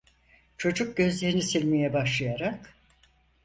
Çocuk gözlerini silmeye başlayarak: